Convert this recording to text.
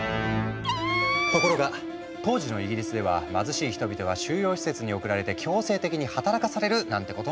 ところが当時のイギリスでは貧しい人々が収容施設に送られて強制的に働かされるなんてこともあった。